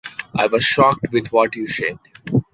I was shocked with what you said.